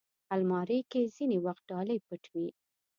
الماري کې ځینې وخت ډالۍ پټ وي